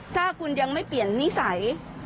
ถ้าคุณยังไม่เปลี่ยนนิสัย